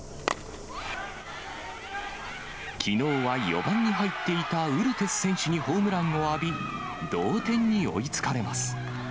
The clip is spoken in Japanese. きのうは４番に入っていたウルテス選手にホームランを浴び、同点に追いつかれます。